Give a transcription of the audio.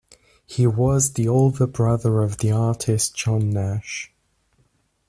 He was the older brother of the artist John Nash.